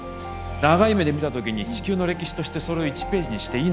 長い目で見た時に地球の歴史としてそれを１ページにしていいのかっていうことですよね。